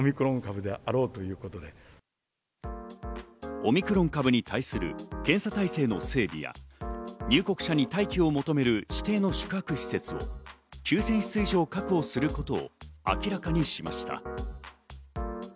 オミクロン株に対する検査体制の整備や入国者に待機を求める指定の宿泊施設を９０００室以上、確保することを明らかにしました。